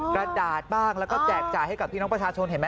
กระดาษบ้างแล้วก็แจกจ่ายที่ที่น้องประชาชน